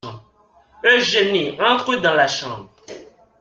Eugénie entre dans la chambre.